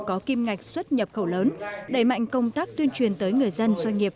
có kim ngạch xuất nhập khẩu lớn đẩy mạnh công tác tuyên truyền tới người dân doanh nghiệp